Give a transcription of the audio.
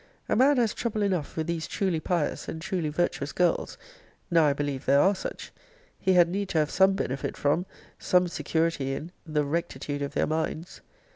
A man has trouble enough with these truly pious, and truly virtuous girls; [now I believe there are such;] he had need to have some benefit from, some security in, the rectitude of their minds.